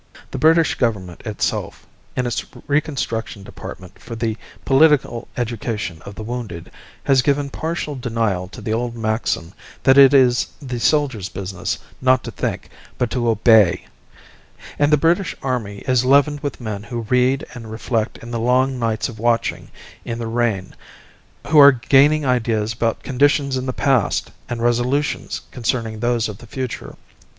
The British Government itself, in its reconstruction department for the political education of the wounded, has given partial denial to the old maxim that it is the soldier's business not to think but to obey; and the British army is leavened with men who read and reflect in the long nights of watching in the rain, who are gaining ideas about conditions in the past and resolutions concerning those of the future.